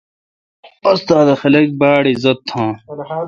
استاد دے خلق باڑ عزت تھان۔